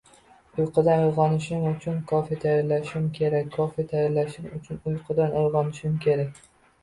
Uyqudan uyg'onishim uchun kofe tayyorlashim kerak. Kofe tayyorlashim uchun uyqudan uyg'onishim kerak...